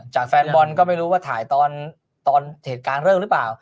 แฟนบอลก็ไม่รู้ว่าถ่ายตอนเหตุการณ์เลิกหรือเปล่า